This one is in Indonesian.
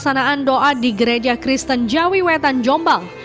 dan perlaksanaan doa di gereja kristen jawi wetan jombang